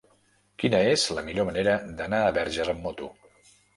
Quina és la millor manera d'anar a Verges amb moto?